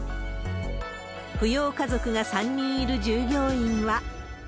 扶養家族が３人いる従業員は。